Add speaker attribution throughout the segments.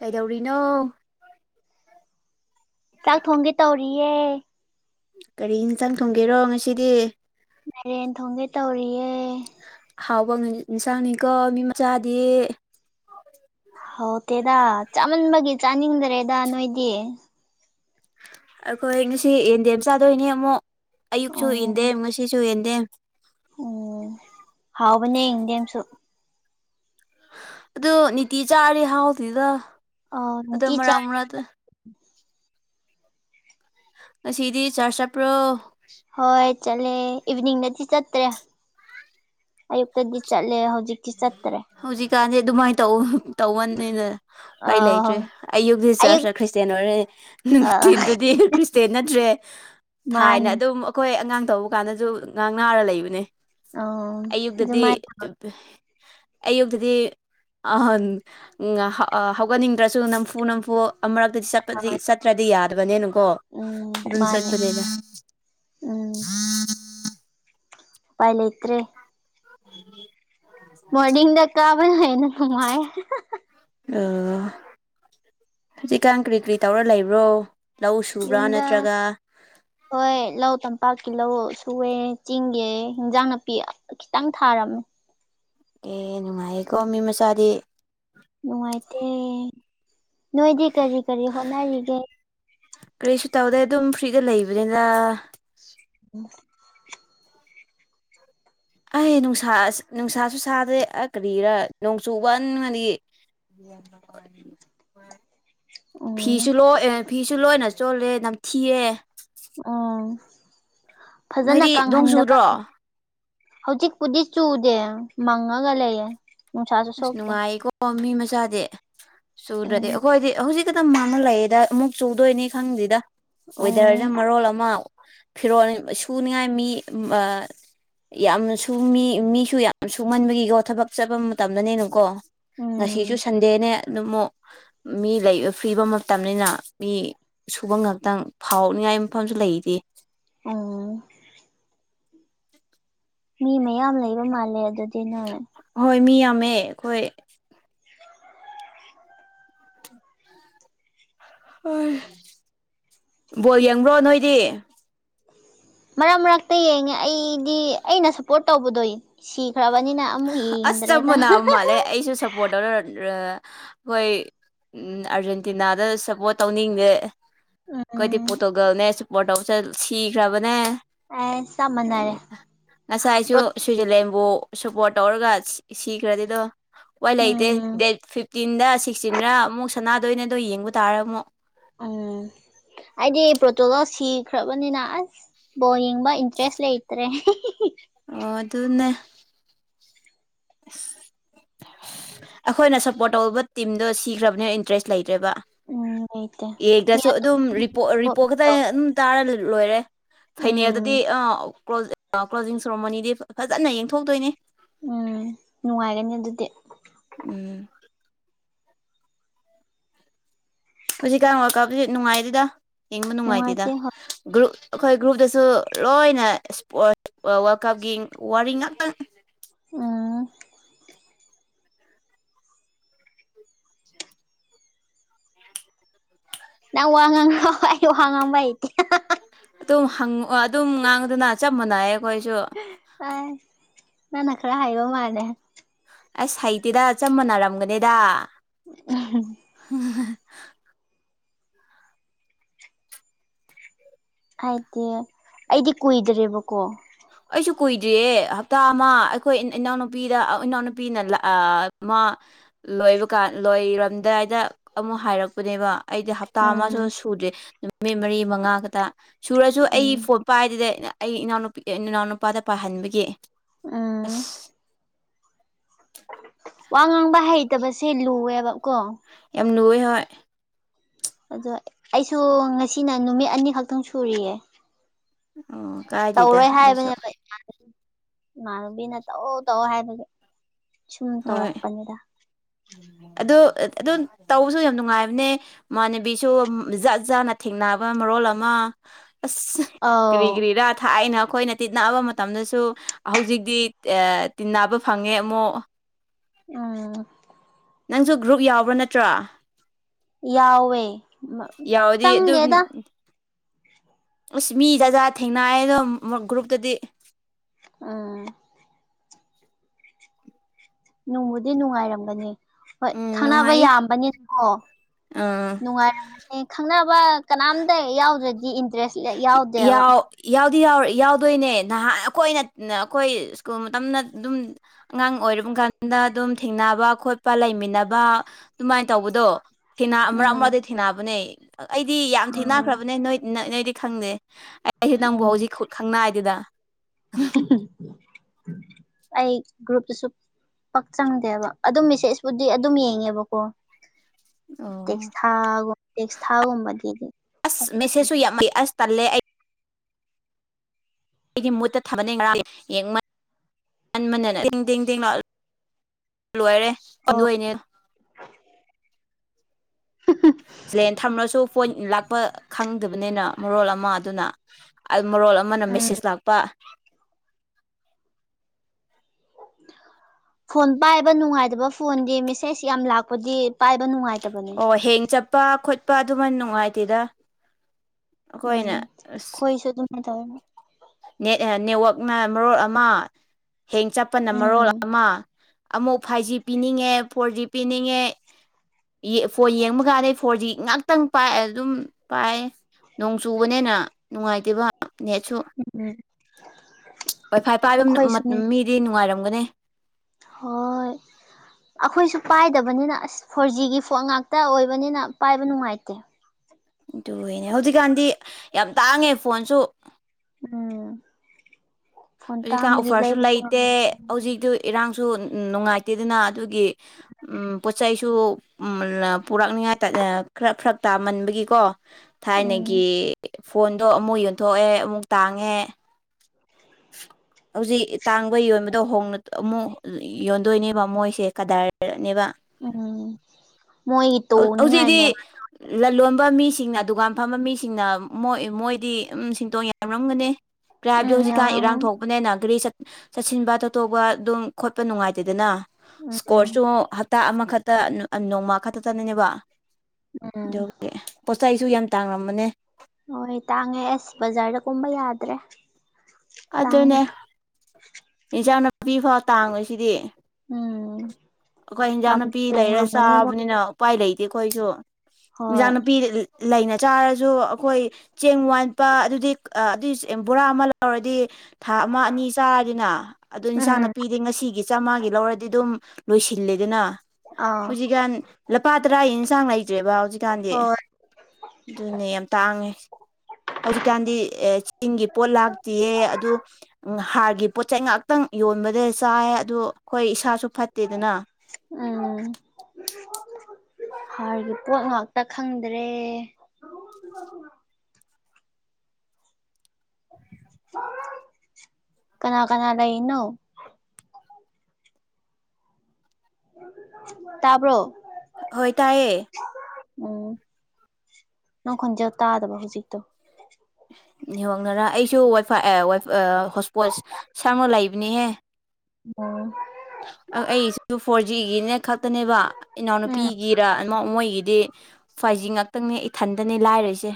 Speaker 1: ꯀꯩꯗꯧꯔꯤꯅꯣ
Speaker 2: ꯆꯥꯛ ꯊꯣꯡꯒꯦ ꯇꯧꯔꯤꯌꯦ
Speaker 1: ꯀꯔꯤ ꯏꯟꯁꯥꯡ ꯊꯣꯡꯒꯦꯔꯣ ꯉꯁꯤꯗꯤ
Speaker 2: ꯔꯦꯟ ꯊꯣꯡꯒꯦ ꯇꯧꯔꯤꯌꯦ
Speaker 1: ꯍꯥꯎꯕ ꯏꯟꯁꯥꯡꯅꯤꯀꯣ ꯃꯤ ꯃꯆꯥꯗꯤ
Speaker 2: ꯍꯥꯎꯇꯦꯗ ꯆꯥꯃꯟꯕꯒꯤ ꯆꯥꯅꯤꯡꯗ꯭ꯔꯦꯗ ꯅꯣꯏꯗꯤ
Speaker 1: ꯑꯩꯈꯣꯏ ꯉꯁꯤ ꯌꯦꯟꯗꯦꯝ ꯆꯥꯗꯣꯏꯅꯦ ꯑꯃꯨꯛ ꯑꯌꯨꯛꯁꯨ
Speaker 2: ꯑꯣ
Speaker 1: ꯌꯦꯟꯗꯦꯝ ꯉꯁꯤ ꯁꯤ ꯁꯨ
Speaker 2: ꯎꯝ ꯍꯥꯎꯕꯅꯦ ꯏꯪꯗꯦꯝꯁꯨ
Speaker 1: ꯑꯗꯨ ꯅꯤꯇꯤ ꯆꯥꯔꯤ ꯍꯥꯎꯗꯗ
Speaker 2: ꯑꯣ
Speaker 1: ꯑꯗꯣ
Speaker 2: ꯅꯨꯡꯇꯤ
Speaker 1: ꯃꯔꯥꯡ
Speaker 2: ꯆꯥꯏ
Speaker 1: ꯃꯔꯥ ꯉꯁꯤꯗꯤ ꯆꯥꯔ ꯆꯠꯄ꯭ꯔꯣ
Speaker 2: ꯍꯣꯏ ꯆꯂꯦ ꯏꯚꯅꯤꯡꯗꯗꯤ ꯆꯠꯇ꯭ꯔꯦ ꯑꯌꯨꯛꯇꯗꯤ ꯆꯠꯂꯦ ꯍꯧꯖꯤꯛꯇꯤ ꯆꯠꯇ꯭ꯔꯦ
Speaker 1: ꯍꯧꯖꯤꯛꯀꯥꯟꯗꯤ ꯑꯗꯨꯃꯥꯏꯅ ꯇꯧ ꯇꯧꯅꯤꯅ ꯑꯩ ꯑꯩ
Speaker 2: ꯑꯥ
Speaker 1: ꯂꯩꯇ꯭ꯔꯦ ꯑꯩꯌꯨꯛꯁꯤ
Speaker 2: ꯑꯌꯨꯛ
Speaker 1: ꯆꯔꯆꯇ ꯈ꯭ꯔꯤꯁꯇꯦꯟ ꯑꯣꯏꯔꯅꯤ
Speaker 2: ꯑꯥ
Speaker 1: ꯅꯨꯡꯊꯤꯟꯗꯗꯤ ꯈ꯭ꯔꯤꯁꯇꯦꯟ ꯅꯠꯇ꯭ꯔꯦ ꯊꯥꯏꯅ
Speaker 2: ꯃꯥꯅꯦ
Speaker 1: ꯑꯗꯨꯝ ꯑꯩꯈꯣꯏ ꯑꯉꯥꯡ ꯇꯧꯕ ꯀꯥꯟꯗꯁꯨ ꯉꯥꯡ ꯅꯥꯔ ꯂꯩꯕꯅꯦ ꯑꯌꯨꯛꯇꯗꯤ
Speaker 2: ꯑꯣꯃꯥꯏ
Speaker 1: ꯑꯌꯨꯛꯇꯗꯤ ꯑ ꯍꯧꯒꯠꯅꯤꯡꯗ꯭ꯔꯁꯨ ꯅꯝꯐꯨ ꯅꯝꯐꯨ ꯑꯃꯛꯇꯗꯤ ꯆ ꯆꯠꯄꯗꯤ ꯆꯠꯇ꯭ꯔꯗꯤ ꯌꯥꯗꯕꯅꯤꯅꯀꯣ
Speaker 2: ꯎꯝ
Speaker 1: ꯑꯗꯨꯝ
Speaker 2: ꯃꯥꯅꯦ
Speaker 1: ꯆꯠꯄꯅꯤꯅ
Speaker 2: ꯎꯝ ꯄꯥꯏ ꯂꯩꯇ꯭ꯔꯦ ꯃꯣꯔꯅꯤꯡꯗ ꯀꯥꯕꯅꯅ ꯍꯤꯟꯅ ꯅꯨꯡꯉꯥꯏ
Speaker 1: ꯑꯣ ꯍꯧꯖꯤꯛꯀꯥꯟ ꯀꯔꯤ ꯀꯔꯤ ꯇꯧꯔ ꯂꯩꯕ꯭ꯔꯣ ꯂꯧ ꯁꯨꯕ꯭ꯔꯥ
Speaker 2: ꯌꯨꯝꯗ
Speaker 1: ꯅꯠꯇ꯭ꯔꯒ
Speaker 2: ꯍꯣꯏ ꯂꯧ ꯇꯝꯄꯥꯛꯀꯤꯤ ꯂꯧ ꯁꯨꯑꯦ ꯆꯤꯡꯒꯦ ꯏꯟꯖꯥꯡ ꯅꯥꯄꯤ ꯈꯤꯇꯪ ꯊꯥꯔꯝꯃꯦ
Speaker 1: ꯑꯦ ꯅꯨꯡꯉꯥꯏꯌꯦꯀꯣ ꯃꯤ ꯃꯆꯥꯗꯤ
Speaker 2: ꯅꯨꯡꯉꯥꯏꯇꯦ ꯅꯣꯏꯗꯤ ꯀꯔꯤ ꯀꯔꯤ ꯍꯣꯠꯅꯔꯤꯒꯦ
Speaker 1: ꯀꯔꯤꯁꯨ ꯇꯧꯗꯦ ꯑꯗꯨꯝ ꯐ꯭ꯔꯤꯗ ꯂꯩꯕꯅꯤꯅ
Speaker 2: ꯎꯝ
Speaker 1: ꯑꯩ ꯅꯨꯡꯁꯥ ꯅꯨꯡꯁꯥꯁꯨ ꯁꯥꯗ꯭ꯔꯦ ꯑ ꯀꯔꯤꯔ ꯅꯣꯡꯆꯨ ꯋꯥꯟꯉꯗꯤ ꯎꯝ
Speaker 2: [inaudible] ꯎꯝ
Speaker 1: ꯐꯤꯁꯨ ꯂꯣꯏ ꯐꯤꯁꯨ ꯂꯣꯏꯅ ꯆꯣꯜꯂꯦ ꯅꯝꯊꯤꯔꯦ
Speaker 2: ꯎꯝ ꯐꯖꯅ
Speaker 1: ꯅꯣꯏꯗꯤ ꯅꯣꯡ
Speaker 2: ꯀꯪꯍꯟꯗꯕ
Speaker 1: ꯆꯨꯗ꯭ꯔꯣ
Speaker 2: ꯍꯧꯖꯤꯛꯄꯨꯗꯤ ꯆꯨꯗꯦ ꯃꯪꯉꯒ ꯂꯩꯌꯦ ꯅꯨꯡꯁꯥꯁꯨ
Speaker 1: ꯑꯁ
Speaker 2: ꯁꯣꯛꯇꯦ
Speaker 1: ꯅꯨꯡꯉꯥꯏꯀꯣ ꯃꯤ ꯃꯆꯥꯗꯤ ꯁꯨꯗ꯭ꯔꯗꯤ
Speaker 2: ꯎꯝ
Speaker 1: ꯑꯩꯈꯣꯏꯗꯤ ꯍꯧꯖꯤꯛ ꯇ ꯃꯥ ꯑꯃ ꯂꯩꯌꯦꯦꯗ ꯑꯃꯨꯛ ꯆꯨꯗꯣꯏꯅꯤ ꯈꯪꯗꯗ
Speaker 2: ꯎꯝ
Speaker 1: ꯋꯦꯗꯔꯅ ꯃꯔꯣꯜ ꯑꯃ ꯐꯤꯔꯣꯜ ꯁꯨꯅꯤꯡꯉꯥꯏ ꯃꯤ ꯌꯥꯝꯅꯁꯨ ꯃꯤ ꯃꯤꯁꯨ ꯌꯥꯝ ꯁꯨꯡꯍꯟꯕꯒꯤꯀꯣ ꯊꯕꯛ ꯆꯠꯄ ꯇꯝꯅꯅꯦꯅꯨꯀꯣ
Speaker 2: ꯎꯝ
Speaker 1: ꯉꯁꯤꯁꯨ ꯁꯟꯗꯦꯅꯦ ꯑꯗꯨꯝ ꯑꯃꯨꯛ ꯃꯤ ꯂꯩꯕ ꯐꯤꯕ ꯃꯇꯝꯅꯤꯅ ꯃꯤ ꯁꯨꯕ ꯉꯥꯛꯇꯪ ꯐꯥꯎꯅꯤꯡꯉꯥꯏ ꯃꯐꯝꯁꯨ ꯂꯩꯔꯤ
Speaker 2: ꯑꯣ ꯃꯤ ꯃꯌꯥꯝ ꯂꯩꯕ ꯃꯥꯜꯂꯦ ꯑꯗꯨꯗꯤ ꯅꯣꯏ
Speaker 1: ꯍꯍꯣꯏ ꯃꯤ ꯌꯥꯝꯃꯦ ꯑꯩꯈꯣꯏ ꯍꯣꯏ ꯕꯣꯜ ꯌꯦꯡꯕ꯭ꯔꯣ ꯅꯣꯏꯗꯤ
Speaker 2: ꯃꯔꯛ ꯃꯔꯛꯇ ꯌꯦꯡꯉꯦ ꯑꯩꯗꯤ ꯑꯩꯅ ꯁꯞꯄꯣꯔꯠ ꯇꯧꯕꯗꯣꯌꯦ ꯁꯤꯈ꯭ꯔꯕꯅꯤꯅ ꯑꯃꯨꯛ ꯌꯦꯡꯗ꯭ꯔꯦꯗ
Speaker 1: ꯐꯕꯣꯔꯗ ꯑꯩꯈꯣꯏ ꯑꯥꯔꯖꯦꯟꯇꯤꯅꯥꯗ ꯁꯞꯄꯣꯔꯠ ꯇꯧꯅꯤꯡꯗꯦ ꯀꯈꯣꯏꯗꯤ
Speaker 2: ꯎꯝ
Speaker 1: ꯄꯣꯇꯣꯒꯅꯦ ꯁ ꯄꯣꯔꯇꯧꯁꯦ ꯁꯤꯈ꯭ꯔꯕꯅꯦ
Speaker 2: ꯑꯦ ꯆꯝꯃꯅꯔꯦ
Speaker 1: ꯉꯁꯥꯏꯁꯨ ꯁ꯭ꯋꯤꯖꯔꯂꯦꯟꯕꯨ ꯁꯞꯄꯣꯔꯠ ꯇꯧꯔꯒ ꯁꯤꯈ꯭ꯔꯗꯤꯗꯣ ꯍꯣꯏ ꯂꯩꯇꯦ
Speaker 2: ꯎꯝ
Speaker 1: ꯗꯦꯠ ꯐꯤꯐꯇꯤꯟꯗ ꯁꯤꯛꯁꯇꯤꯟꯗ ꯑꯃꯨꯛ ꯁꯅꯥꯗꯣꯏꯅꯦ ꯑꯗꯨꯣ ꯌꯦꯡꯕ ꯇꯥꯔ ꯑꯃꯨꯛ
Speaker 2: ꯎꯝ ꯑꯩꯗꯤ ꯄ꯭ꯔꯣꯇꯣꯗꯣ ꯁꯤꯈ꯭ꯔꯕꯅꯤꯅ ꯑꯁ ꯕꯣꯡ ꯊꯕ ꯏꯟꯇ꯭ꯔꯦꯁ ꯂꯦ ꯏꯇ꯭ꯔꯦ
Speaker 1: ꯑꯣ ꯑꯗꯨꯅꯦ ꯑꯁ ꯑꯩꯈꯣꯏꯅ ꯁꯞꯄꯣꯔꯠ ꯇꯧꯧꯕ ꯇꯤꯝꯗꯣ ꯁꯤꯈ꯭ꯔꯕꯅꯤꯅ ꯏꯟꯇꯔꯦꯁ ꯂꯩꯇ꯭ꯔꯦꯕ
Speaker 2: ꯎꯝ ꯂꯩ
Speaker 1: ꯌꯦꯡꯗꯁꯨ ꯑꯗꯨꯝꯔꯤꯄ ꯔꯤꯄꯣꯠ ꯈꯛꯇ ꯑꯗꯨꯝ ꯇꯥꯔ ꯂꯣꯏꯔꯦ ꯐꯅꯦꯗꯗꯤ
Speaker 2: ꯎꯝ
Speaker 1: ꯑ ꯀ꯭ꯂ ꯀ꯭ꯂꯣꯖꯤꯡ ꯁꯦꯔꯣꯃꯣꯅꯤꯗꯤ ꯐꯖꯅ ꯌꯦꯡꯊꯣꯛꯇꯣꯏꯅꯦ
Speaker 2: ꯎꯝ ꯅꯨꯡꯉꯥꯏꯒꯅꯤ ꯑꯗꯨꯗꯤ
Speaker 1: ꯎꯝ ꯍꯧꯖꯤꯛꯀꯥꯟꯀꯥꯞꯇ ꯅꯨꯡꯉꯥꯏꯗꯦꯗ ꯌꯦꯡꯕ ꯅꯨꯡꯉꯥꯏꯇꯦꯗ
Speaker 2: ꯅꯨꯡꯉꯥꯏꯇꯦ ꯍꯣꯏ
Speaker 1: ꯒ꯭ꯔꯨꯞ ꯑꯩꯈꯣꯏ ꯒ꯭ꯔꯨꯞꯇꯁꯨ ꯂꯣꯏꯅ ꯏꯁꯄꯣꯔꯠ ꯋꯥꯔꯜ ꯀꯞꯀꯤ ꯋꯥꯔꯤ ꯉꯥꯛꯇꯪ
Speaker 2: ꯎꯝ
Speaker 1: [inaudible]
Speaker 2: ꯅ ꯋꯥꯉꯪ ꯋꯥꯉꯝꯕ ꯑꯇ
Speaker 1: ꯑꯗꯨꯝ ꯍꯪ ꯑꯗꯨꯝ ꯉꯥꯡꯗꯅ ꯆꯞ ꯃꯥꯟꯅꯩꯌꯦ ꯑꯩꯈꯣꯏꯁꯨ
Speaker 2: ꯑ ꯅꯅꯥ ꯅ ꯈꯔ ꯍꯥꯏꯩꯕ ꯃꯥꯅꯦ
Speaker 1: ꯑꯁ ꯍꯩꯇꯦꯗ ꯆꯞ ꯃꯥꯟꯅꯔꯝꯒꯅꯦꯗ
Speaker 2: ꯎ ꯍꯨꯝ
Speaker 1: ꯎꯝ
Speaker 2: ꯍꯥꯏꯗꯤ ꯑꯩꯗꯤ ꯀꯨꯏꯗ꯭ꯔꯦꯕꯀꯣ
Speaker 1: ꯑꯩꯁꯨ ꯀꯨꯏꯗ꯭ꯔꯤꯌꯦ ꯍꯞꯇꯥ ꯑꯃ ꯑꯩꯈꯣꯏ ꯏꯅꯥꯎꯅꯨꯄꯤꯗ ꯏꯅꯥꯎꯅꯨꯄꯤꯅ ꯃꯥ ꯂꯣꯏꯕ ꯀꯥꯟ ꯂꯣꯏꯔꯝꯗꯥꯏꯗ ꯑꯃꯨꯛ ꯍꯥꯏꯔꯛꯄꯅꯦꯕ ꯑꯩꯗꯤ ꯍꯞꯇꯥ ꯑꯃꯁꯨ
Speaker 2: ꯎꯝ
Speaker 1: ꯁꯨꯗ꯭ꯔꯦ ꯅꯨꯃꯤꯠ ꯃꯔꯤ ꯃꯉꯥ ꯈꯛꯇ ꯁꯨꯔꯁꯨ ꯑꯩ
Speaker 2: ꯎꯝ
Speaker 1: ꯄꯥꯏꯗꯨꯗ ꯑꯩ ꯏꯅꯥꯎꯅꯨꯄꯤ ꯏꯅꯥꯎꯅ ꯅꯨꯄꯥꯗ ꯄꯥꯍꯟꯕꯒꯤ
Speaker 2: ꯎꯝ
Speaker 1: ꯑꯁ
Speaker 2: ꯋꯥ ꯉꯥꯡꯕ ꯍꯩꯇꯕꯁꯦ ꯂꯨꯑꯦꯕ ꯀꯣ
Speaker 1: ꯌꯥꯝ ꯂꯨꯏꯋꯦ ꯍꯣꯏ
Speaker 2: ꯑꯗꯣ ꯑꯩꯁꯨ ꯉꯁꯤꯅ ꯅꯨꯃꯤꯠ ꯑꯅꯤ ꯈꯛꯇꯪ ꯁꯨꯔꯤꯌꯦ
Speaker 1: ꯑꯣ ꯀꯥꯏꯗꯦꯗ
Speaker 2: ꯇꯧꯔꯣꯏ
Speaker 1: ꯑꯗꯨꯁꯨ
Speaker 2: ꯍꯥꯏꯕꯅꯦꯕ ꯏꯃꯥꯟꯅꯕꯤꯅ ꯇꯧꯑꯣ ꯇꯧꯑꯣ ꯍꯥꯏꯕꯒꯤ ꯁꯨꯝ ꯇꯧꯔꯛꯄꯅꯤꯗ [inaudible]
Speaker 1: ꯑꯗꯣ ꯑꯗꯨꯝ ꯇꯧꯕꯁꯨ ꯌꯥꯝ ꯅꯨꯡꯉꯥꯏꯕꯅꯦ ꯏꯃꯥꯟꯅꯕꯤꯁꯨ ꯖꯥꯠ ꯖꯥꯠꯅ ꯊꯦꯡꯅꯕ ꯃꯔꯣꯜ ꯑꯃ ꯑꯁ ꯀꯔꯤ
Speaker 2: ꯑꯥꯎ
Speaker 1: ꯀꯔꯤꯔꯥ ꯊꯥꯏꯅ ꯑꯩꯈꯣꯏꯅ ꯇꯤꯟꯅꯕ ꯃꯇꯝꯗꯁꯨ ꯍꯧꯖꯤꯛꯇꯤ ꯇꯤꯟꯅꯥꯕ ꯐꯪꯉꯦ ꯑꯃꯨꯛ
Speaker 2: ꯎꯝ
Speaker 1: ꯅꯪꯁꯨ ꯒ꯭ꯔꯨꯞ ꯌꯥꯎꯕ ꯅꯠꯇ꯭ꯔꯣ
Speaker 2: ꯌꯥꯎꯋꯦ
Speaker 1: ꯌꯥꯎꯔꯗꯤ ꯑꯗꯨꯝ
Speaker 2: ꯆꯪꯗꯦꯗ
Speaker 1: ꯑꯁ ꯃꯤ ꯖꯥꯠ ꯖꯥꯠ ꯊꯦꯡꯅꯔꯦꯗ ꯒ꯭ꯔꯨꯞꯇꯗꯤ
Speaker 2: ꯑꯥ ꯅꯨꯡꯕꯨꯗꯤ ꯅꯨꯡꯉꯥꯏꯔꯝꯒꯅꯤ ꯍꯣꯏ
Speaker 1: ꯎꯝ
Speaker 2: ꯈꯪꯅꯕ
Speaker 1: ꯅꯨꯡꯉꯥꯏ
Speaker 2: ꯌꯥꯝꯕꯅꯤꯅꯀꯣ
Speaker 1: ꯑꯥ
Speaker 2: ꯅꯨꯡꯉꯥꯏꯔꯝꯒꯅꯤ ꯈꯪꯅꯕ ꯀꯅꯥꯝꯇ ꯌꯥꯎꯗ꯭ꯔꯗꯤ ꯏꯟꯇꯔꯦꯁ ꯌꯥꯎꯗꯦꯕ
Speaker 1: ꯌꯥꯎ ꯌꯥꯎꯗꯤ ꯌꯥꯎꯗꯣꯏꯅꯦ ꯅꯍꯥꯟ ꯑꯩꯈꯣꯏꯅ ꯑꯩꯈꯣꯏ ꯁ꯭ꯀꯨꯜ ꯃꯇꯝꯗ ꯑꯗꯨꯝ ꯑꯉꯥꯡ ꯑꯣꯏꯔꯤꯀꯥꯟꯗ ꯑꯗꯨꯝ ꯊꯦꯡꯅꯕ ꯈꯣꯠꯄ ꯂꯩꯃꯤꯟꯅꯕ ꯑꯗꯨꯃꯥꯏꯅ ꯇꯧꯕꯗꯨ ꯃꯔꯛ
Speaker 2: ꯎꯝ
Speaker 1: ꯃꯔꯛꯗ ꯊꯦꯡꯅꯕꯅꯦ ꯑꯩꯗꯤ ꯌꯥꯝ
Speaker 2: ꯎꯝ
Speaker 1: ꯊꯦꯡꯅꯈ꯭ꯔꯕꯅꯦ ꯅꯣꯏ ꯅꯣꯏꯗꯤ ꯈꯪꯗꯦ ꯑꯩꯁꯨ ꯅꯪꯕꯨ
Speaker 2: ꯎꯝ
Speaker 1: ꯍꯧꯖꯤꯛ ꯈꯪꯅꯥꯏꯗꯨꯗ
Speaker 2: ꯑꯩ ꯒ꯭ꯔꯨꯞꯇꯁꯨ ꯄꯛ ꯆꯪꯗꯦꯕ ꯑꯗꯨꯝ ꯃꯦꯁꯦꯖꯄꯨꯗꯤ ꯑꯗꯨꯝ ꯌꯦꯡꯉꯦꯕꯀꯣ ꯇꯦꯛꯁ
Speaker 1: ꯑꯣ
Speaker 2: ꯊꯥꯕꯒꯨꯝ ꯇꯦꯛꯁ ꯊꯥꯕꯒꯨꯝꯕꯗꯤ
Speaker 1: ꯑꯁ ꯃꯦꯁꯦꯖꯁꯨ ꯌꯥꯝꯃꯦ ꯑꯁ ꯇꯜꯂꯦ ꯑꯩ ꯑꯩꯗꯤ ꯃꯨꯠꯇ ꯊꯝꯕꯅꯦ ꯉꯔꯥꯡꯗꯤ ꯌꯦꯡꯃꯟꯗꯅ ꯇꯦꯡ ꯇꯦꯡ ꯂꯥꯎꯕꯅꯦ
Speaker 2: ꯑꯣ
Speaker 1: ꯂꯣꯏꯔꯦ
Speaker 2: ꯍꯨꯝ ꯍꯨꯝ
Speaker 1: ꯁꯥꯏꯂꯦꯟ ꯊꯝꯂꯁꯨ ꯐꯣꯟ ꯂꯥꯛꯄ ꯈꯪꯗꯕꯅꯤꯅ ꯃꯔꯣꯜ ꯑꯃ ꯑꯗꯨꯅ ꯃꯔꯣꯜ ꯑꯃꯅ
Speaker 2: ꯎꯝ
Speaker 1: ꯃꯦꯁꯦꯖ ꯂꯥꯛꯄ
Speaker 2: ꯐꯣꯟ ꯄꯥꯏꯕ ꯅꯨꯡꯉꯥꯏꯇꯕ ꯐꯣꯟꯗꯤ ꯃꯦꯁꯦꯖ ꯌꯥꯝ ꯂꯥꯛꯄꯗꯤ ꯄꯥꯏꯕ ꯅꯨꯡꯉꯥꯏꯇꯕꯅꯤ
Speaker 1: ꯑꯣ ꯍꯦꯡ ꯆꯠꯄ ꯈꯣꯠꯄ ꯑꯗꯨꯃꯥꯏ ꯅꯨꯡꯉꯥꯏꯇꯦꯗ
Speaker 2: ꯎꯝ
Speaker 1: ꯑꯩꯈꯣꯏꯅ ꯑꯁ
Speaker 2: ꯈꯣꯏꯁꯨ ꯑꯗꯨꯝꯅ ꯇꯧꯋꯦ
Speaker 1: ꯅꯦꯠꯋꯥꯛꯅ ꯃꯔꯣꯜ ꯑꯃ ꯍꯦꯡ ꯆꯠꯄꯅ ꯃꯔꯣꯜ
Speaker 2: ꯎꯝ
Speaker 1: ꯑꯃ ꯑꯃꯨꯛ ꯐꯥꯏꯚ ꯖꯤ ꯄꯤꯅꯤꯡꯉꯦ ꯐꯣꯔ ꯖꯤ ꯄꯤꯅꯤꯡꯉꯦ ꯐꯣꯟ ꯌꯦꯡꯕ ꯀꯥꯟꯗꯗꯤ ꯐꯣꯔꯖꯤ ꯉꯥꯛꯇꯪ ꯄꯥꯏ ꯑꯗꯨꯝ ꯄꯥꯏ ꯅꯣꯡ ꯆꯨꯕꯅꯤꯅ ꯅꯨꯡꯉꯥꯏꯇꯦꯕ ꯅꯦꯠꯁꯨ
Speaker 2: ꯎꯝ
Speaker 1: ꯋꯥꯏ ꯐꯥꯏ ꯄꯥꯏꯕ ꯃꯤꯗꯤ ꯅꯨꯡꯉꯥꯏꯔꯝꯒꯅꯤ
Speaker 2: ꯍꯣꯏ ꯑꯩꯈꯣꯏꯁꯨ ꯄꯥꯏꯗꯕꯅꯤꯅ ꯑꯁ ꯐꯣꯔ ꯖꯤꯒꯤ ꯐꯣꯟ ꯉꯥꯛꯇ ꯑꯣꯏꯕꯅꯤꯅ ꯄꯥꯏꯕ ꯅꯨꯡꯉꯥꯏꯇꯦ
Speaker 1: ꯑꯗꯨꯅꯦ ꯍꯧꯖꯤꯛꯀꯥꯟꯗꯤ ꯌꯥꯝ ꯇꯥꯡꯉꯦ ꯐꯣꯟꯁꯨ
Speaker 2: ꯎꯝ ꯐꯣꯟ
Speaker 1: ꯍꯧꯖꯤꯛꯀꯥꯟ
Speaker 2: ꯇꯥꯡꯕꯒꯤ
Speaker 1: ꯑꯣꯐꯔꯁꯨ
Speaker 2: ꯂꯩꯕꯁꯨ
Speaker 1: ꯂꯩꯇꯦ
Speaker 2: ꯉꯝꯗꯦ
Speaker 1: ꯍꯧꯖꯤꯛꯇꯤ ꯏꯔꯥꯡꯁꯨ ꯅꯨꯡꯉꯥꯏꯇꯦꯗꯅ ꯑꯗꯨꯒꯤ ꯎꯝ ꯄꯣꯠ ꯆꯩꯁꯨ ꯄꯨꯔꯛꯅꯤꯉꯥꯏ ꯈꯔ ꯐꯔꯛ ꯇꯥꯃꯟꯕꯒꯤꯀꯣ
Speaker 2: ꯎꯝ
Speaker 1: ꯊꯥꯏꯅꯒꯤ ꯐꯣꯟꯗꯣ ꯑꯃꯨꯛ ꯌꯣꯟꯊꯣꯛꯑꯦ ꯑꯃꯨꯛ ꯇꯥꯡꯉꯦ ꯍꯧꯖꯤꯛ ꯇꯥꯡꯕ ꯌꯣꯟꯕꯗꯣ ꯍꯣꯡꯅ ꯑꯃꯨꯛ ꯌꯣꯟꯗꯣꯏꯅꯦꯕ ꯃꯣꯏꯁꯦ ꯀꯗꯔꯅꯦꯕ
Speaker 2: ꯎꯝ ꯃꯣꯏꯒꯤ
Speaker 1: ꯍꯧ-
Speaker 2: ꯇꯣꯡꯅꯤꯡꯉꯥꯏꯅꯦꯕ
Speaker 1: ꯍꯧꯖꯤꯛꯇꯤ ꯂꯂꯣꯟꯕ ꯃꯤꯁꯤꯡꯅ ꯗꯨꯀꯥꯟ ꯐꯝꯕ ꯃꯤꯁꯤꯡꯅ ꯃꯣꯏ ꯃꯣꯏꯗꯤ ꯁꯤꯡꯇꯣꯡ ꯌꯥꯔꯔꯝꯒꯅꯤ ꯀꯔꯦ ꯍꯥꯏꯕꯗꯤ
Speaker 2: ꯎꯝ
Speaker 1: ꯍꯧꯖꯤꯛꯀꯥꯟ ꯏꯔꯥꯡ
Speaker 2: ꯌꯧꯔꯝꯒꯅꯤ
Speaker 1: ꯊꯣꯛ ꯄꯨꯅꯦꯅ ꯒꯥꯔꯤ ꯆꯠꯁꯤꯟꯕ ꯇꯣꯇꯣꯛꯄ ꯑꯗꯨꯝ ꯈꯣꯠꯄ ꯅꯨꯡꯉꯥꯏꯇꯦꯗꯅ
Speaker 2: ꯎꯝ
Speaker 1: ꯏꯁꯀꯣꯔꯁꯨ ꯍꯞꯇꯥ ꯑꯃꯈꯛꯇ ꯅꯣꯡꯃ ꯈꯛꯇꯇꯅꯅꯦꯕ
Speaker 2: ꯎꯝ
Speaker 1: ꯄꯣꯠꯆ ꯆꯩꯁꯨ ꯌꯥꯝ ꯇꯥꯡꯔꯝꯕꯅꯦ
Speaker 2: ꯍꯣꯏ ꯇꯥꯡꯉꯦ ꯑꯁ ꯕꯖꯥꯔꯗ ꯀꯨꯝꯕ ꯌꯥꯗ꯭ꯔꯦ ꯇꯥꯡꯕ
Speaker 1: ꯑꯗꯨꯅꯦ ꯏꯟꯁꯥꯡ ꯅꯥꯄꯤ ꯐꯥꯎ ꯇꯥꯡꯉꯁꯤꯗꯤ
Speaker 2: ꯎꯝ
Speaker 1: ꯑꯩꯈꯣꯏ ꯏꯟꯖꯥꯡ
Speaker 2: ꯌꯥꯝ
Speaker 1: ꯅꯨꯄꯤ ꯂꯩꯔ
Speaker 2: ꯇꯣꯡꯔꯝꯒꯅꯤ
Speaker 1: ꯆꯥꯕꯅꯤꯅ
Speaker 2: ꯃꯣꯏꯗꯤ
Speaker 1: ꯎꯄꯥꯏ ꯂꯩ ꯑꯩꯈꯣꯏꯁꯨ ꯏꯟꯖꯥꯡ
Speaker 2: ꯍꯣꯏ
Speaker 1: ꯅꯨꯄꯤ ꯂꯩꯅ ꯆꯥꯔꯁꯨ ꯑꯩꯈꯣꯏ ꯆꯦꯡ ꯋꯥꯟꯄ ꯑꯗꯨꯗꯤ ꯑꯗꯨꯏ ꯕꯣꯔꯥ ꯑꯃ ꯂꯧꯥꯎꯔꯗꯤ ꯊꯥ ꯑꯃ ꯑꯅꯤ ꯆꯥꯔꯗꯤꯅ ꯑꯗꯨ ꯏꯟꯁꯥꯡꯅ
Speaker 2: ꯎꯝ
Speaker 1: ꯄꯤꯗꯦ ꯉꯁꯤꯒꯤ ꯆꯥꯝꯃꯉꯥꯒꯤ ꯂꯧꯔꯗꯤ ꯂꯣꯏꯁꯤꯂꯦꯗꯅ
Speaker 2: ꯑꯥ
Speaker 1: ꯍꯧꯖꯤꯛꯀꯥꯟ ꯂꯨꯄꯥ ꯇꯔꯥꯟꯁꯥꯡ ꯂꯩꯇ꯭ꯔꯦꯕ ꯍꯧꯖꯤ ꯍꯧꯖꯤꯀꯥꯟꯗꯤ
Speaker 2: ꯍꯣꯏ
Speaker 1: ꯑꯗꯨꯅꯦ ꯌꯥꯝ ꯇꯥꯡꯉꯦ ꯍꯧꯖꯤꯛꯀꯥꯟꯗꯤ ꯆꯦꯡꯒꯤ ꯄꯣꯠ ꯂꯥꯛꯇꯤꯌꯦ ꯑꯗꯨ ꯎ ꯍꯥꯔꯒꯤ ꯄꯣꯠꯆꯩ ꯉꯥꯛꯇꯪ ꯌꯣꯟꯕꯗ ꯆꯥꯏ ꯑꯗꯨ ꯑꯩꯈꯣꯏ ꯏꯁꯥꯁꯨ ꯐꯠꯇꯦꯗꯅ
Speaker 2: ꯎꯝ ꯍꯥꯔꯒꯤ ꯄꯣꯠ ꯉꯥꯛꯇ ꯈꯪꯗ꯭ꯔꯦ ꯀꯅꯥ ꯀꯅꯥ ꯂꯩꯅꯣ ꯇꯕꯣ
Speaker 1: ꯍꯣꯏ ꯇꯥꯏꯌꯦ
Speaker 2: ꯎꯝ ꯅꯪ ꯈꯣꯟꯖ ꯇꯥꯗꯕ ꯍꯧꯖꯤꯛꯇꯣ
Speaker 1: ꯌꯡꯅꯔꯥ ꯑꯩꯁꯨ ꯋꯥꯏꯐ ꯍꯣꯠꯁꯄꯣꯠ ꯁꯥꯔꯃ ꯂꯩꯕꯅꯦꯍꯦ
Speaker 2: ꯑꯣ
Speaker 1: ꯑꯩꯁꯨ ꯐꯣꯔꯖꯤꯒꯤꯅꯦ ꯈꯛꯇꯅꯦꯕ ꯏꯅꯥꯎꯅꯨꯄꯤ ꯒꯤꯔ ꯑꯗꯨ ꯃꯣꯏꯒꯤꯗꯤ ꯐꯥꯏꯖꯤ ꯉꯥꯛꯇꯪꯅꯦ ꯏꯊꯟꯗꯅꯦ ꯂꯥꯏꯔꯁꯦ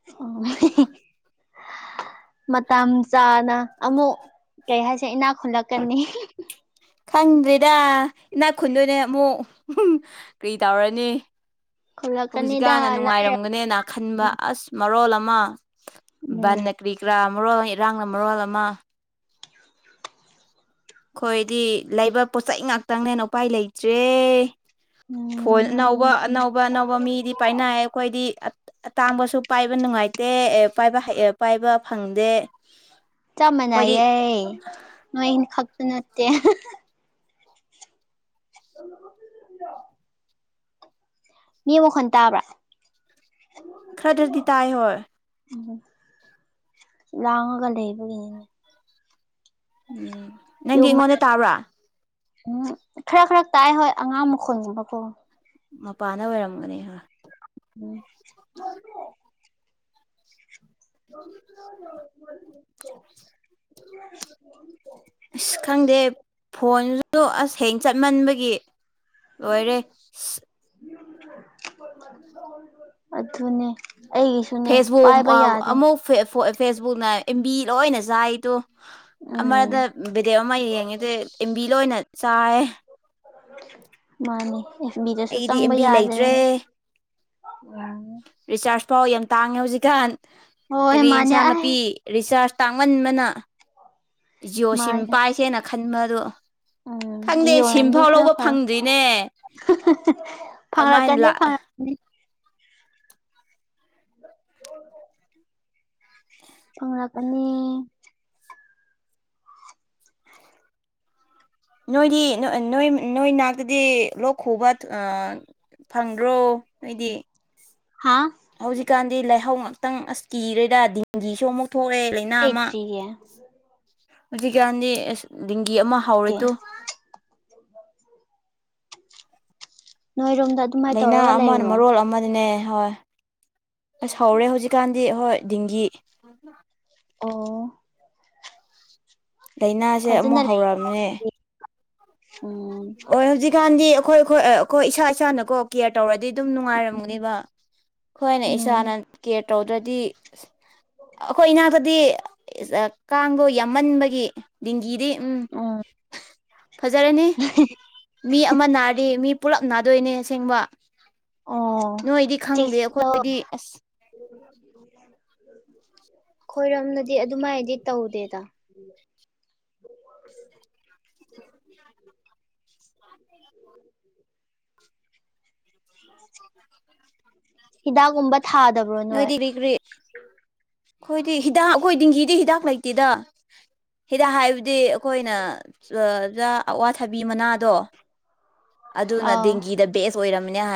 Speaker 2: ꯑ ꯃꯇꯝ ꯆꯥꯅ ꯑꯃꯨꯛ ꯀꯩ ꯍꯥꯏꯁꯦ ꯏꯅꯥꯛ ꯈꯨꯜꯂꯛꯀꯅꯤ
Speaker 1: ꯈꯪꯗ꯭ꯔꯦꯗ ꯏꯅꯥꯛ ꯈꯨꯟꯗꯣꯏꯅꯦ ꯑꯃꯨꯛ ꯀꯔꯤ ꯇꯧꯔꯅꯤ
Speaker 2: ꯈꯨꯜꯂꯛꯀꯅꯤꯗ
Speaker 1: ꯍꯧꯖꯤꯛꯀꯟꯅ
Speaker 2: ꯂꯥꯏꯔ
Speaker 1: ꯅꯨꯡꯉꯥꯏꯔꯝꯒꯅꯦꯅ ꯈꯟꯕ ꯑꯁ ꯃꯔꯣꯜ ꯑꯃ
Speaker 2: ꯎꯝ
Speaker 1: ꯕꯟꯅ ꯀꯔꯤ ꯀꯔꯥ ꯃꯔꯣꯜ ꯑꯃ ꯏꯔꯥꯡꯅ ꯃꯔꯣꯜ ꯑꯃ ꯑꯩꯈꯣꯏꯗꯤ ꯂꯩꯕ ꯄꯣꯠꯆꯩ ꯉꯥꯛꯇꯪꯅꯦꯅ ꯎꯄꯥꯏ ꯂꯩꯇ꯭ꯔꯦ
Speaker 2: ꯎꯝ
Speaker 1: ꯐꯣꯟ
Speaker 2: ꯃꯥꯅꯦ
Speaker 1: ꯑꯅꯧꯕ ꯑꯅꯧꯕ ꯑꯅꯧꯕ ꯃꯤꯗꯤ ꯄꯥꯏꯅꯔꯦ ꯑꯩꯈꯣꯏꯗꯤ ꯑꯇꯥꯡꯕꯁꯨ ꯄꯥꯏꯕ ꯅꯨꯡꯉꯥꯏꯇꯦ ꯑꯦ ꯄꯥꯏꯕ ꯑꯦ ꯄꯥꯏꯕ ꯐꯪꯗꯦ
Speaker 2: ꯆꯞ
Speaker 1: ꯑꯩꯈꯣꯏꯗꯤ
Speaker 2: ꯃꯥꯟꯅꯑꯦ ꯅꯣꯏ ꯑꯩꯅ ꯈꯛꯇ ꯅꯠꯇꯦ ꯭ꯔꯣ ꯃꯤ ꯑꯃꯨꯛꯈꯟ ꯇꯥꯕ꯭ꯔꯥ
Speaker 1: ꯈꯔꯗꯗꯤ ꯇꯥꯏ ꯍꯣꯏ
Speaker 2: ꯎꯝ ꯂꯥꯡꯉꯒ ꯂꯩꯕꯒꯤꯅꯤꯅꯦ
Speaker 1: ꯎꯝ ꯅꯪꯗꯤ ꯑꯩꯉꯣꯟꯗ ꯇꯥꯕ꯭ꯔꯥ
Speaker 2: ꯎꯝ ꯈꯔ ꯈꯔ ꯇꯥꯏ ꯍꯣꯏ ꯑꯉꯥꯡ ꯃꯈꯨꯜ ꯑꯃꯒꯀꯣ
Speaker 1: ꯃꯄꯥꯅ ꯑꯣꯏꯔꯝꯒꯅꯤ
Speaker 2: [unintelligible] [unintelligible]
Speaker 1: ꯑꯁ ꯈꯪꯗꯦ ꯐꯣꯟꯁꯨ ꯑꯁ ꯍ꯭ꯌꯦ ꯆꯠꯃꯟꯕꯒꯤ ꯂꯣꯏꯔꯦ
Speaker 2: ꯑꯗꯨꯅꯦ ꯑꯩꯒꯤꯁꯨꯅꯦ
Speaker 1: ꯐꯦꯁꯕꯨꯛ
Speaker 2: ꯄꯥꯏꯕ ꯌꯥꯗꯦ
Speaker 1: ꯑꯃꯨꯛ ꯐꯦꯁꯕꯨꯛꯅ ꯑꯦꯝꯕꯤ ꯂꯣꯏꯅ ꯆꯥꯏꯗꯣ
Speaker 2: ꯎꯝ
Speaker 1: ꯑꯃꯗ ꯕꯦꯗꯤꯌꯣ ꯑꯃ ꯌꯦꯡꯉꯦꯗꯤ ꯑꯦꯝꯕꯤ ꯂꯣꯏꯅ ꯆꯥꯏ
Speaker 2: ꯃꯥꯅꯤ ꯑꯦꯐ ꯕꯤꯗꯁꯨ
Speaker 1: ꯑꯩꯒꯤꯗꯤ
Speaker 2: ꯆꯪꯕ
Speaker 1: ꯑꯦꯝꯕꯤ ꯂꯩꯇ꯭ꯔꯦ
Speaker 2: ꯌꯥꯗ꯭ꯔꯦꯅꯦ ꯎꯝ
Speaker 1: ꯔꯤꯆꯥꯔꯖ ꯐꯥꯎ ꯌꯥꯝ ꯇꯥꯡꯉꯦ ꯍꯧꯖꯤꯛꯀꯥꯟ
Speaker 2: ꯍꯣꯏ
Speaker 1: ꯀꯔꯤ
Speaker 2: ꯃꯥꯅꯦ
Speaker 1: ꯏꯟꯁꯥꯡ
Speaker 2: ꯑꯩ
Speaker 1: ꯅꯥꯄꯤ ꯔꯤꯆꯥꯔꯖ ꯇꯥꯡꯃꯟꯕꯅ ꯖꯤꯑꯣ ꯁꯤꯝ
Speaker 2: ꯃꯥꯅꯦ
Speaker 1: ꯄꯥꯏꯁꯦꯅ ꯈꯟꯕꯗꯣ
Speaker 2: ꯎꯝ
Speaker 1: ꯈꯪꯗꯦ ꯁꯤꯝꯐꯥꯎ ꯂꯧꯕ ꯐꯪꯗ꯭ꯔꯤꯅꯦ
Speaker 2: ꯐꯪꯂꯛꯀꯅꯤ
Speaker 1: ꯀꯃꯥꯏꯅ
Speaker 2: ꯐꯉꯛ ꯐꯪꯂꯛꯀꯅꯤ
Speaker 1: ꯅꯣꯏꯗꯤ ꯅꯣꯏ ꯅꯣꯏ ꯅꯥꯛꯇꯗꯤ ꯂꯣꯛ ꯈꯨꯕ ꯑ ꯐꯪꯗ꯭ꯔꯣ ꯑꯩꯗꯤ
Speaker 2: ꯍꯥꯥ
Speaker 1: ꯍꯧꯖꯤꯛꯀꯥꯟꯗꯤ ꯂꯥꯏꯍꯧ ꯉꯥꯛꯇꯪ ꯑꯁ ꯀꯤꯔꯦꯗ ꯗꯦꯡꯒꯤꯁꯨ ꯑꯃꯨꯛ ꯊꯣꯛꯂꯛꯑꯦ
Speaker 2: ꯂꯩꯇ꯭ꯔꯤꯌꯦ
Speaker 1: [unintelligible] ꯍꯧꯖꯤꯛꯀꯥꯟꯗꯤ ꯑꯁ ꯗꯦꯡꯒꯤ ꯑꯃ
Speaker 2: ꯅꯠꯇꯦ
Speaker 1: ꯍꯧꯔꯦꯇꯨ
Speaker 2: ꯅꯣꯏꯔꯣꯝꯗ ꯑꯗꯨꯃꯥꯏꯅ
Speaker 1: ꯂꯥꯏꯅ
Speaker 2: ꯇꯧꯔꯒ
Speaker 1: ꯑꯃꯅ
Speaker 2: ꯂꯩꯕ꯭ꯔꯣ
Speaker 1: ꯃꯔꯣꯜ ꯑꯃꯅꯅꯦ ꯍꯣꯏ ꯑꯁ ꯍꯧꯔꯦ ꯍꯧꯖꯤꯛꯀꯥꯟꯗꯤ ꯍꯣꯏ ꯗꯤꯦꯡꯒꯤ
Speaker 2: ꯑꯣ
Speaker 1: ꯂꯥꯏꯅꯥꯁꯦ
Speaker 2: ꯐꯖꯅ
Speaker 1: ꯑꯃꯨꯛ ꯍꯧꯔꯑꯅꯦ
Speaker 2: ꯂꯩꯔꯤ ꯎꯝ
Speaker 1: ꯍꯣꯏ ꯍꯧꯖꯤꯛꯀꯥꯟꯗꯤ ꯑꯩꯈꯣꯏ ꯑꯩꯈꯣꯏ ꯑꯩꯈꯣꯏ ꯏꯁꯥ ꯏꯁꯥꯅꯀꯣ ꯀꯦꯌꯔ ꯇꯧꯔꯗꯤ ꯑꯗꯨꯝ ꯅꯨꯡꯉꯥꯏꯔꯝꯒꯅꯦꯕ ꯑꯩꯈꯣꯏꯅ
Speaker 2: ꯎꯝ
Speaker 1: ꯏꯁꯥꯅ ꯀꯦꯌꯔ ꯇꯧꯗ꯭ꯔꯗꯤ ꯑꯩꯈꯣꯏ ꯏꯅꯥꯛꯇꯗꯤ ꯀꯥꯡꯗꯣ ꯌꯥꯝꯃꯟꯕꯒꯤ ꯗꯤꯡꯒꯤ ꯎꯝ ꯐꯖꯔꯦ ꯃꯤ ꯑꯃ ꯅꯥꯔꯤꯗ ꯃꯤ ꯄꯨꯂꯞ ꯅꯥꯗꯣꯏꯅꯦ ꯑꯁꯦꯡꯕ
Speaker 2: ꯑꯣ
Speaker 1: ꯅꯣꯏꯗꯤ ꯈꯪꯗꯦ ꯑꯩꯈꯣꯏꯗꯤ ꯑꯁ
Speaker 2: ꯈꯣꯏꯔꯣꯝꯅꯗꯤ ꯑꯗꯨꯃꯥꯏꯗꯤ ꯇꯧꯗꯦꯗ
Speaker 1: [inaudible]
Speaker 2: ꯍꯤꯗꯥꯛ ꯎꯝꯕ
Speaker 1: ꯅꯣꯏꯗꯤꯒꯒꯔꯤ ꯑꯩꯈꯣꯏꯗꯤ ꯍꯤꯗꯥꯛ ꯑꯩꯈꯣꯏ ꯗꯤꯍꯤꯗꯤ ꯍꯤꯗꯥꯛ ꯂꯩꯇꯦꯗ ꯍꯤꯗꯥꯛ ꯍꯥꯏꯕꯗꯤ ꯑꯩꯈꯣꯏꯅꯖꯥ ꯑꯋꯥꯊꯕꯤ ꯃꯅꯥꯗꯣ ꯑꯗꯨꯅ
Speaker 2: ꯑꯥ
Speaker 1: ꯗꯦꯡꯒꯤꯗ ꯦꯁ ꯑꯣꯏꯔꯝꯅꯤ ꯍꯥꯏ